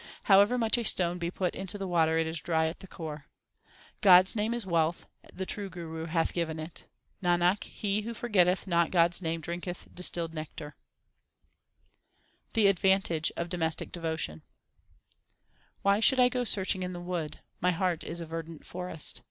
However much a stone be put into the water, it is dry at the core. God s name is wealth, the true Guru hath given it. Nanak, he who forgetteth not God s name drinketh distilled nectar. HYMNS OF GURU NANAK 319 The advantage of domestic devotion : Why should I go searching in the wood ? My heart is a verdant forest.